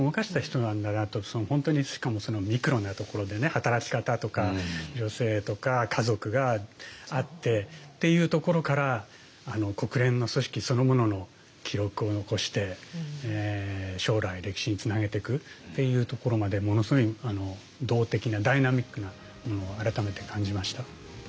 本当にしかもミクロなところでね働き方とか女性とか家族があってっていうところから国連の組織そのものの記録を残して将来歴史につなげてくっていうところまでものすごい動的なダイナミックなものを改めて感じました。